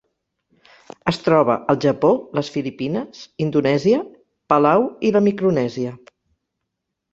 Es troba al Japó, les Filipines, Indonèsia, Palau i la Micronèsia.